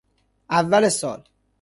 اول سال